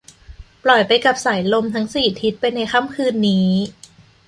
ปล่อยไปกับสายลมทั้งสี่ทิศไปในค่ำคืนนี้